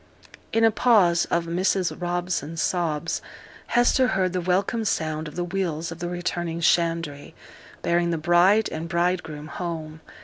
In a pause of Mrs Robson's sobs, Hester heard the welcome sound of the wheels of the returning shandry, bearing the bride and bridegroom home.